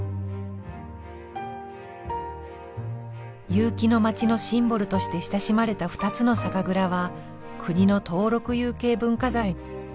結城の街のシンボルとして親しまれた２つの酒蔵は国の登録有形文化財。